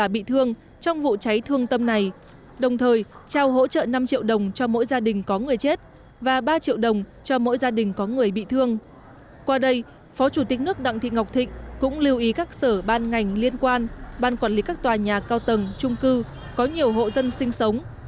qua đây phó chủ tịch nước đặng thị ngọc thịnh cũng lưu ý các sở ban ngành liên quan ban quản lý các tòa nhà cao tầng trung cư có nhiều hộ dân sinh sống